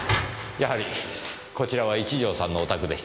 やはりこちらは一条さんのお宅でしたか。